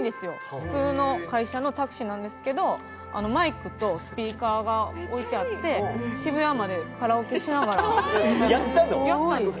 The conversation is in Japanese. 普通の会社のタクシーなんですけど、マイクとスピーカーが置いてあって、渋谷までカラオケしながらやったんです。